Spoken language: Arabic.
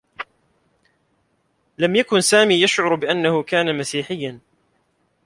لم يكن سامي يشعر بأنّه كان مسيحيّا.